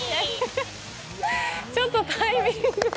ちょっとタイミングが。